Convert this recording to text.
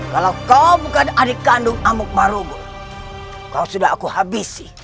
kalau kau bukan adik kandung amu kemarugul kau sudah aku hampir habisi